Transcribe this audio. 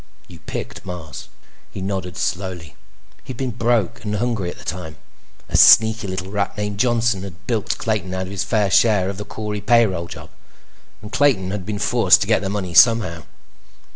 You picked Mars." He nodded slowly. He'd been broke and hungry at the time. A sneaky little rat named Johnson had bilked Clayton out of his fair share of the Corey payroll job, and Clayton had been forced to get the money somehow.